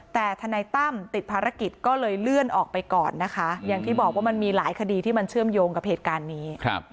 แต่ทนายตั้มติดภารกิจก็เลยเลื่อนออกไปก่อนนะคะอย่างที่บอกว่ามันมีหลายคดีที่มันเชื่อมโยงกับเหตุการณ์นี้